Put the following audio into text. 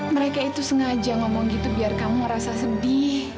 mereka itu sengaja ngomong gitu biar kamu ngerasa sedih